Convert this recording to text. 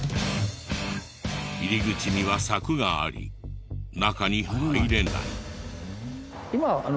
入り口には柵があり中に入れない。